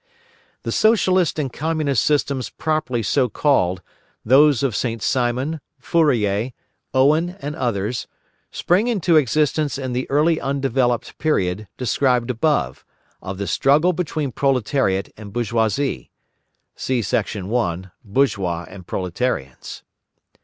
The Socialist and Communist systems properly so called, those of Saint Simon, Fourier, Owen and others, spring into existence in the early undeveloped period, described above, of the struggle between proletariat and bourgeoisie (see Section 1. Bourgeois and Proletarians).